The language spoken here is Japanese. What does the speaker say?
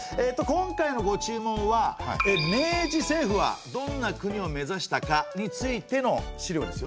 今回のご注文は「明治政府はどんな国を目指したか？」についての資料ですよね。